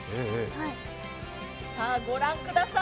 さあ、ご覧ください。